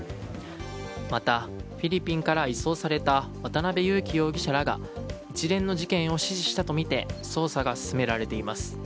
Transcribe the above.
また、フィリピンから移送された渡辺優樹容疑者らが一連の事件を指示したとみて捜査が進められています。